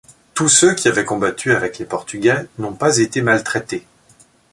Tous ceux qui avaient combattu avec les Portugais n'ont pas été maltraités.